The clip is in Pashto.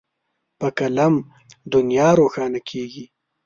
په قلم دنیا روښانه کېږي.